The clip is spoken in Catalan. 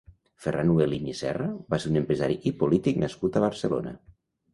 Ferran Huelín i Serra va ser un empresari i polític nascut a Barcelona.